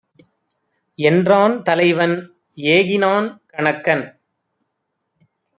என்றான் தலைவன்! ஏகினான் கணக்கன்.